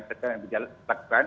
tetap yang berjalan laksan